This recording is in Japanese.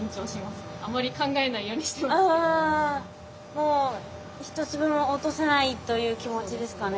もう一粒も落とさないという気持ちですかね。